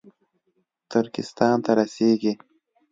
ترکستان ته رسېږي